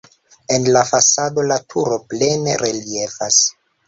En la fasado la turo plene reliefas.